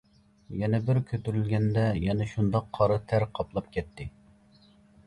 يەنە بىر كۆتۈرۈلگەندە يەنە شۇنداق قارا تەر قاپلاپ كەتتى.